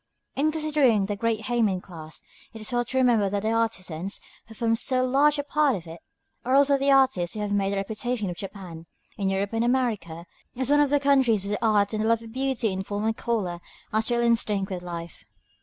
In considering this great héimin class, it is well to remember that the artisans, who form so large a part of it, are also the artists who have made the reputation of Japan, in Europe and America, as one of the countries where art and the love of beauty in form and color are still instinct with life.